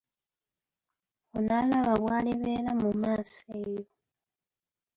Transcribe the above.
Onoolaba bw’alibeera mu maaso eyo.